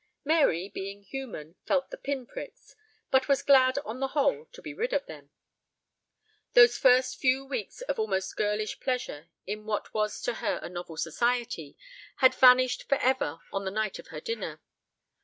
Mary, being human, felt the pin pricks, but was glad on the whole to be rid of them. Those first weeks of almost girlish pleasure in what was to her a novel society, had vanished for ever on the night of her dinner.